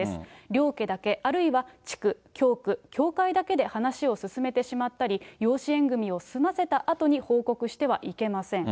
両家だけ、あるいは地区、教区、教会だけで話を進めてしまったり、養子縁組を済ませたあとに報告してはいけません。